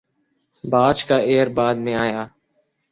باچ کا ایئر بعد میں آیا